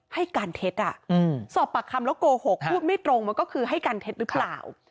ให้การเท็จสอบปากคำแล้วโกหกพูดไม่ตรงมันก็คือให้การเท็จหรือเปล่า